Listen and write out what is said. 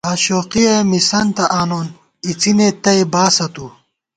آشوقہ مِسَنتہ آنون اِڅِنےتئ باسہ تُو